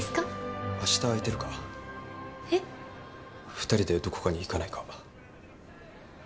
２人でどこかに行かないか？